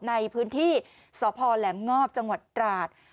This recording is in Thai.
ในพื้นที่สลํ่งอบจังหวัดะราช